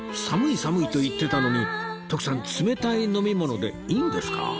「寒い寒い」と言ってたのに徳さん冷たい飲み物でいいんですか？